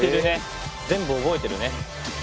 全部覚えてるね。